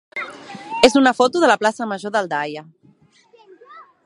és una foto de la plaça major d'Aldaia.